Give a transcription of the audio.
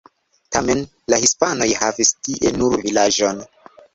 Tamen la hispanoj havis tie nur vilaĝon.